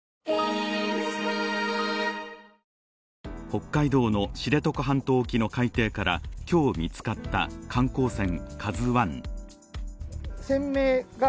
北海道の知床半島沖の海底から今日見つかった観光船「ＫＡＺＵⅠ」。